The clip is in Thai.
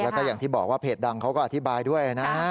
แล้วก็อย่างที่บอกว่าเพจดังเขาก็อธิบายด้วยนะฮะ